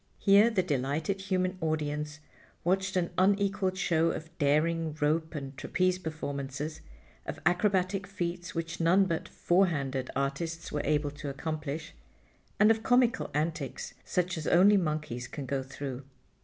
Here the delighted human audience watched an unequaled show of daring rope and trapeze performances, of acrobatic feats which none but "four handed" artists were able to accomplish, and of comical antics such as only monkeys can go through.